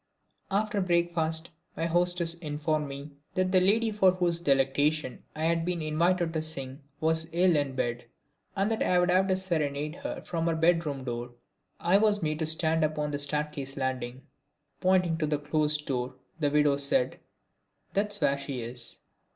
After breakfast my hostess informed me that the lady for whose delectation I had been invited to sing was ill in bed, and that I would have to serenade her from her bed room door. I was made to stand up on the staircase landing. Pointing to a closed door the widow said: "That's where she is."